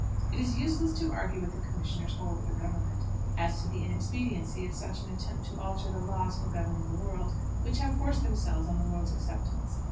It is useless to argue with the commissioners, or with the Government, as to the inexpediency of such an attempt to alter the laws for governing the world, which have forced themselves on the world's acceptance.